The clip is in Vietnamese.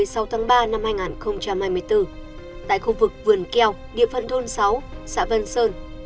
sau tháng ba năm hai nghìn hai mươi bốn tại khu vực vườn keo địa phân thôn sáu xã vân sơn